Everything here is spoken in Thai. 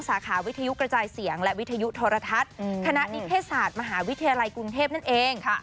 สาขาวิทยุกระจายเสียงและวิทยุโทรทัศน์คณะนิเทศศาสตร์มหาวิทยาลัยกรุงเทพนั่นเองค่ะ